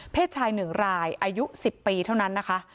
ชาย๑รายอายุ๑๐ปีเท่านั้นนะคะ